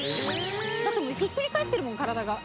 だってもうひっくり返ってるもん体が。